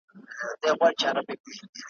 تباهي به وي په برخه د مرغانو `